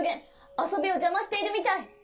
あそびをじゃましているみたい。